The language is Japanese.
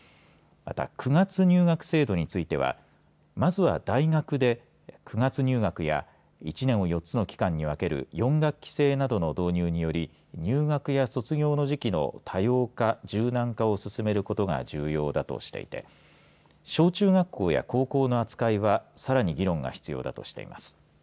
また９月入学制度についてはまずは大学で９月入学や１年を４つの期間に分ける４学期制などの導入により入学や卒業の時期の多様化柔軟化を進めることが重要だとしていて小中学校や高校の扱いはさらに議論が必要だとしています。